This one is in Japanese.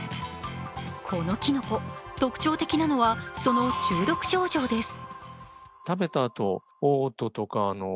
このきのこ、特徴的なのはその中毒症状です。